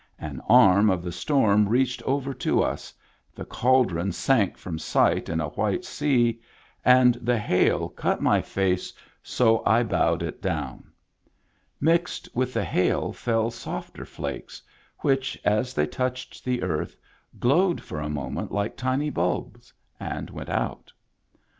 An arm of the storm reached over to us, the cauldron sank from sight in a white sea, and. the hail cut my face so Digitized by Google 154 MEMBERS OF THE FAMILY I bowed it down. Mixed with the hail fell softer flakes, which, as they touched the earth, glowed for a moment like tiny bulbs, and went out.